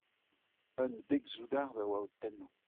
Un dek soudard a oa o tennañ.